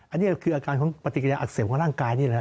อันนี้คืออาการของปฏิกิยาอักเสบของร่างกายนี่แหละ